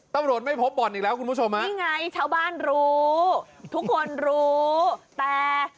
ตำรวจไม่พบบ่อนอีกแล้วคุณผู้ชมฮะนี่ไงชาวบ้านรู้ทุกคนรู้แต่